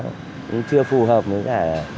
cũng chưa phù hợp với cả